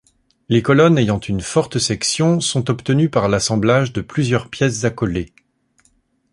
Les colonnes ayant une forte section sont obtenues par l’assemblage de plusieurs pièces accolées.